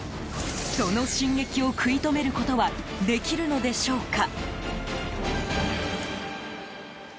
その進撃を食い止めることはできるのでしょうか。